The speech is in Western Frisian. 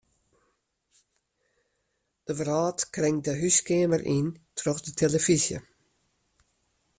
De wrâld kringt de húskeamer yn troch de telefyzje.